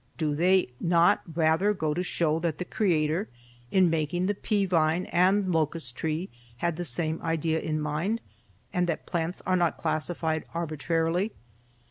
Do they not rather go to show that the Creator in making the pea vine and locust tree had the same idea in mind, and that plants are not classified arbitrarily?